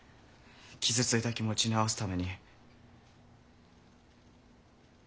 傷ついた気持ちなおすために。